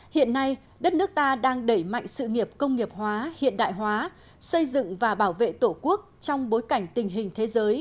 hiện nay đất nước ta đang đẩy mạnh sự nghiệp công nghiệp hóa hiện đại hóa xây dựng và bảo vệ tổ quốc trong bối cảnh tình hình thế giới